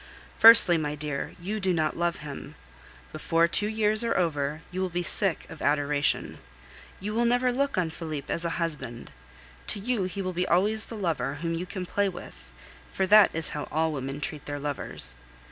Firstly, my dear, you do not love him. Before two years are over, you will be sick of adoration. You will never look on Felipe as a husband; to you he will always be the lover whom you can play with, for that is how all women treat their lovers.